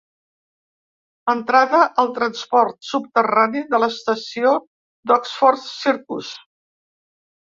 Entrada al transport subterrani de l'estació d'Oxford Circus.